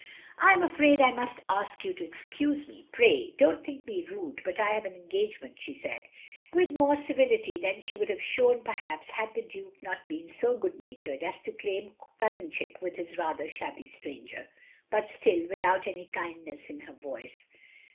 "I am afraid I must ask you to excuse me. Pray don't think me rude, but I have an engage ment, " she said, with more civility than she would have shown, perhaps, had the Duke not been so good natured as to claim cousinship with this rather shabby stranger; but still, without any kindness in her voice.